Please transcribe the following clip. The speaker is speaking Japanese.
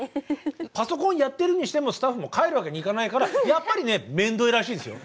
パソコンやってるにしてもスタッフも帰るわけにいかないからやっぱりねめんどいらしいですよ。